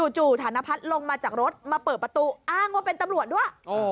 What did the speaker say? ฐานพัฒน์ลงมาจากรถมาเปิดประตูอ้างว่าเป็นตำรวจด้วย